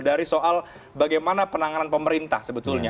dari soal bagaimana penanganan pemerintah sebetulnya